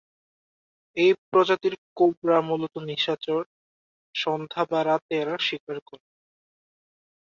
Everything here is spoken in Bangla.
এই প্রজাতির কোবরা মূলত নিশাচর, সন্ধ্যা বা রাতে এরা শিকার করে।